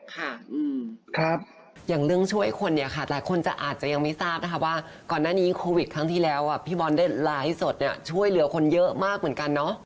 ค่ะอย่างเรื่องช่วยคนเนี่ยค่ะหลายคนจะอาจจะยังไม่ทราบนะคะว่าก่อนหน้านี้โควิดครั้งที่แล้วพี่บอลได้ไลฟ์สดเนี่ยช่วยเหลือคนเยอะมากเหมือนกันเนาะ